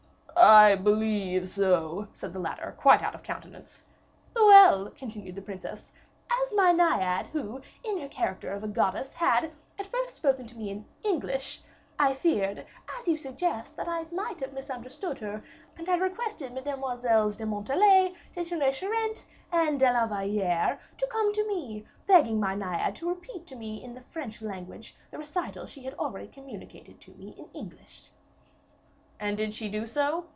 "I believe so," said the latter, quite out of countenance. "Well," continued the princess, "as my Naiad, who, in her character of a goddess, had, at first spoken to me in English, I feared, as you suggest, that I might have misunderstood her, and I requested Mesdemoiselles de Montalais, de Tonnay Charente, and de la Valliere, to come to me, begging my Naiad to repeat to me in the French language, the recital she had already communicated to me in English." "And did she do so?"